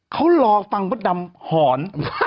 เขารอฟังมดดำหอน